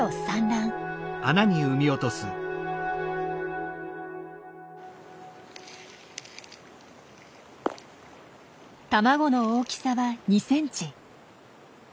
卵の大きさは２ｃｍ。